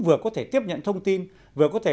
vừa có thể tiếp nhận thông tin vừa có thể